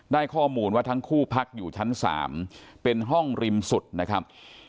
ข้อมูลว่าทั้งคู่พักอยู่ชั้น๓เป็นห้องริมสุดนะครับ